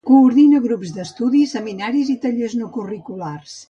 Coordina grups d'estudi, seminaris i tallers no curriculars.